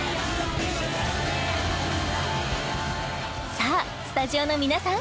さあスタジオの皆さん